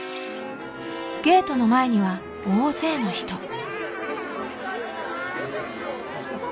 ゲートの前には大勢の人。